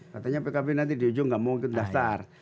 katanya pkb nanti di ujung nggak mungkin daftar